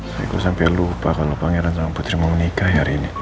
saya kok sampai lupa kalau pangeran sama putri mau menikah hari ini